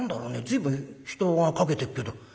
随分人が駆けてくけど」。